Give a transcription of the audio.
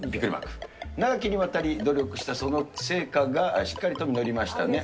長きにわたり努力したその成果が、しっかりと実りましたね！